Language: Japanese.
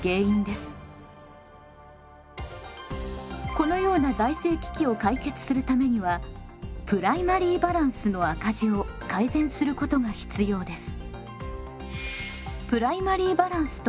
このような財政危機を解決するためにはプライマリーバランスの赤字を改善することが必要です。